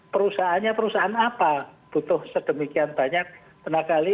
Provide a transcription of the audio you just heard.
perusahaannya perusahaan apa butuh sedemikian banyak tenaga ahli